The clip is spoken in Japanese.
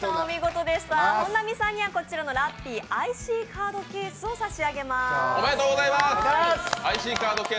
本並さんにはこちらのラッピーＩＣカードケースを差し上げます。